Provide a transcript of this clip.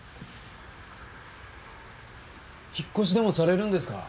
引っ越しでもされるんですか？